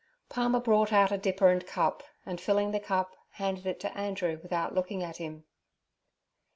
Palmer brought out a dipper and cup, and, filling the cup, handed it to Andrew without looking at him.